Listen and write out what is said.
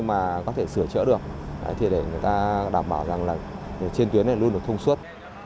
và có thể sửa chở được thì để người ta đảm bảo rằng là trên tuyến luôn được thông suốt